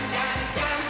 ジャンプ！！